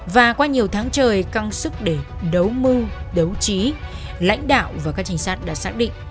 và qua nhiều tháng trời căng sức để đấu mưu đấu trí lãnh đạo và các trinh sát đã xác định